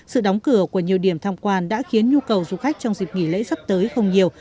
sự đóng cửa của nhiều điểm tham quan đã khiến nhu cầu du khách trong dịp nghỉ lễ sắp tới không nhiều